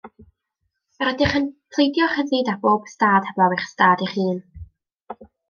Yr ydych yn pleidio rhyddid ar bob ystâd heblaw eich ystâd eich hun.